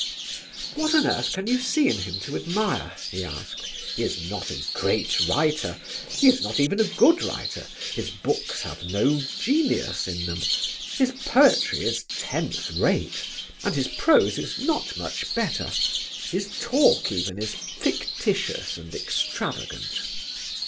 "What on earth can you see in him to admire?" he asked. "He is not a great writer, he is not even a good writer; his books have no genius in them; his poetry is tenth rate, and his prose is not much better. His talk even is fictitious and extravagant."